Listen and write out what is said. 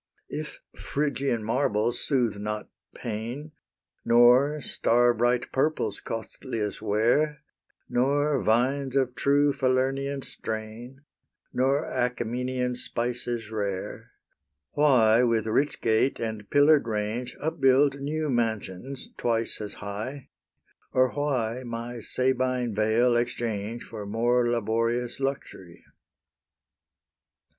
If Phrygian marbles soothe not pain, Nor star bright purple's costliest wear, Nor vines of true Falernian strain, Nor Achaemenian spices rare, Why with rich gate and pillar'd range Upbuild new mansions, twice as high, Or why my Sabine vale exchange For more laborious luxury?